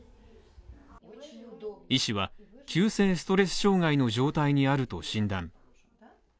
医師は急性ストレス障害の状態にあると診断。